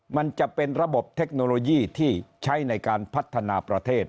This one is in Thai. มันจะเป็นระบบเทคโนโลยีที่ใช้ในการพัฒนาประเทศ